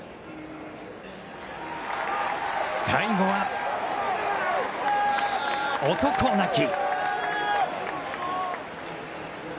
最後は男泣き。